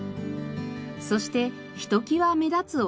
そしてひときわ目立つお墓が。